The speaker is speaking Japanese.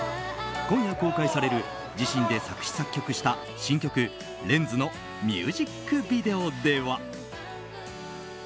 今夜公開される自身で作詞・作曲した新曲「レンズ」のミュージックビデオでは。